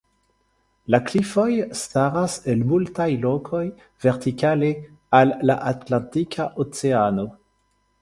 La klifoj staras el multaj lokoj vertikale al la Atlantika oceano.